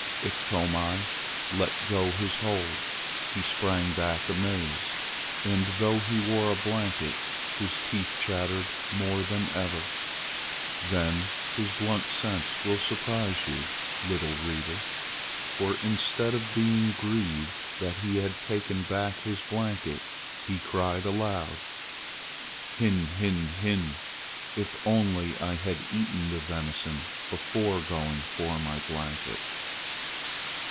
Iktomi let go his hold. He sprang back amazed. And though he wore a blanket his teeth chattered more than ever. Then his blunted sense will surprise you, little reader; for instead of being grieved that he had taken back his blanket, he cried aloud, "Hin hin hin! If only I had eaten the venison before going for my blanket!"